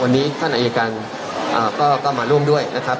วันนี้ท่านอายการก็มาร่วมด้วยนะครับ